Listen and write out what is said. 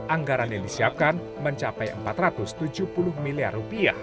anggaran yang disiapkan mencapai rp empat ratus tujuh puluh miliar